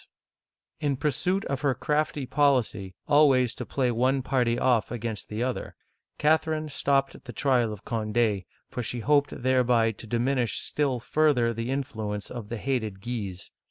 *' In pursuit of her crafty policy always to play one party off against the other, Catherine stopped the trial of Cond6, for she hoped thereby to diminish still further the influence of the hated Guises.